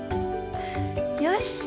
よし！